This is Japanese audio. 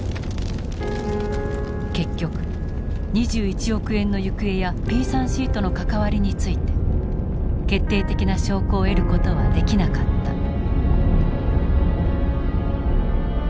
結局２１億円の行方やＰ３Ｃとの関わりについて決定的な証拠を得る事はできなかった。